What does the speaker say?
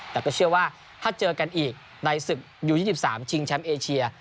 แต่ก็เชื่อว่าถ้าเจอกันอีกในศึกยู๒๓ชิงแชมป์เอเชีย